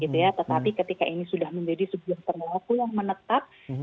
tetapi ketika ini sudah menjadi sebuah perlaku yang menetap